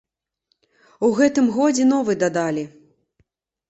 У гэтым годзе новы дадалі.